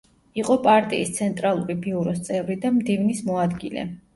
იყო პარტიის ცენტრალური ბიუროს წევრი და მდივნის მოადგილე.